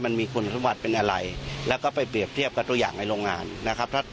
มันมีคุณสมบัติเป็นอะไรแล้วก็ไปเปรียบเทียบกับตัวอย่างในโรงงานนะครับ